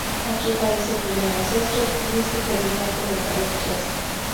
Aquí aparece el primer ancestro estilístico evidente del ballet clásico.